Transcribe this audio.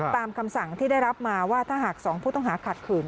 คำสั่งที่ได้รับมาว่าถ้าหาก๒ผู้ต้องหาขัดขืน